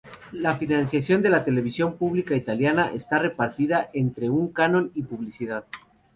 La financiación de la televisión pública italiana está repartida entre un canon y publicidad.